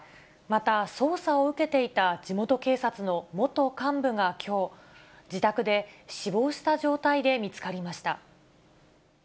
また捜査を受けていた地元警察の元幹部がきょう、自宅で死亡した状態で見つかりました。